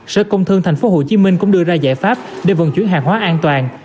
sở công thương thành phố hồ chí minh cũng đưa ra giải pháp để vận chuyển hàng hóa an toàn